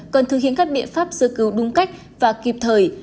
cần thực hiện các biện pháp sơ cứu đúng cách và kịp thời